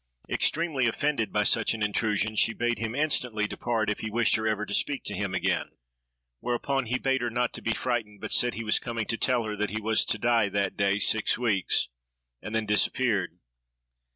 Extremely offended by such an intrusion, she bade him instantly depart, if he wished her ever to speak to him again. Whereupon he bade her not be frightened, but said he was come to tell her that he was to die that day six weeks,—and then disappeared.